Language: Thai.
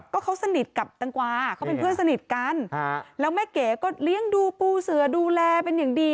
ก็เขาสนิทกับตังกวาเขาเป็นเพื่อนสนิทกันแล้วแม่เก๋ก็เลี้ยงดูปูเสือดูแลเป็นอย่างดี